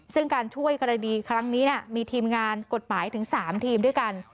ซึ่งการช่วยกรณีครั้งนี้มีทีมงานกฎหมายถึง๓ทีมด้วยกัน